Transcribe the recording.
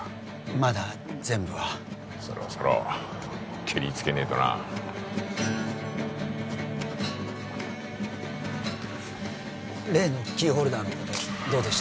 まだ全部はそろそろケリつけねえとな例のキーホルダーのことどうでした？